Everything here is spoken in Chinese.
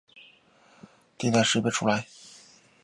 来自船尾主楼梯的锻铁穹顶碎片也已在碎片地带识别出来。